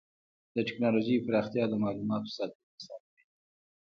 د ټکنالوجۍ پراختیا د معلوماتو ساتنه اسانوي.